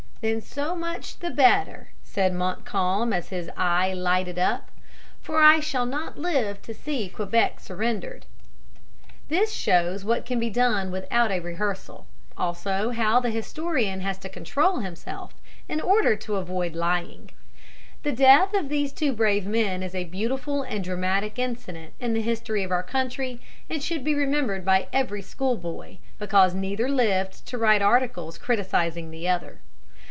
"Then so much the better," said Montcalm, as his eye lighted up, "for I shall not live to see Quebec surrendered." This shows what can be done without a rehearsal; also how the historian has to control himself in order to avoid lying. The death of these two brave men is a beautiful and dramatic incident in the history of our country, and should be remembered by every school boy, because neither lived to write articles criticising the other.